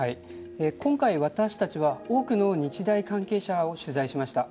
今回私たちは多くの日大関係者を取材しました。